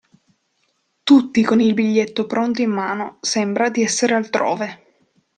Tutti con il biglietto pronto in mano, sembra di essere altrove.